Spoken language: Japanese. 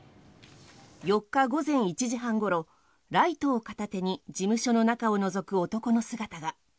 ４日午前１時半ごろライトを片手に事務所の中をのぞく男の姿が。